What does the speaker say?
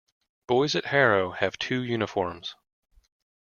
Boys at Harrow have two uniforms.